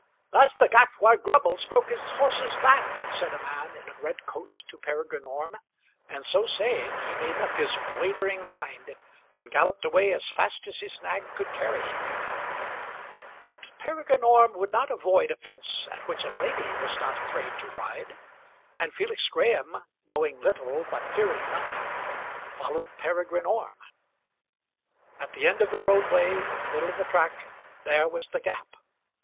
"That's the gap where Grubbles broke his horse's back," said a man in a red coat to Peregrine Orme, and so saying he made up his wavering mind and galloped away as fast as his nag could carry him. But Peregrine Orme would not avoid a fence at which a lady was not afraid to ride; and Felix Graham, knowing little but fearing nothing, followed Peregrine Orme. At the end of the roadway, in the middle of the track, there was the gap.